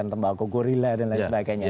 tembako gurila dan lain sebagainya